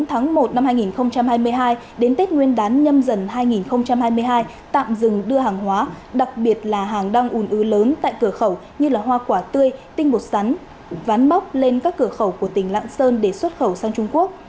từ tháng một năm hai nghìn hai mươi hai đến tết nguyên đán nhâm dần hai nghìn hai mươi hai tạm dừng đưa hàng hóa đặc biệt là hàng đang ủn ứ lớn tại cửa khẩu như hoa quả tươi tinh bột sắn ván bóc lên các cửa khẩu của tỉnh lạng sơn để xuất khẩu sang trung quốc